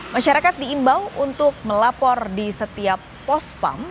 masyarakat diimbau untuk melapor di setiap pospam